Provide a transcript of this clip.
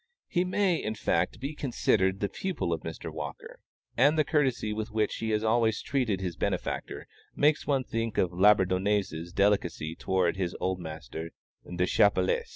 He may, in fact, be considered the pupil of Mr. Walker, and the courtesy with which he has always treated his benefactor makes one think of Labourdonnais's delicacy towards his old master Deschappelles.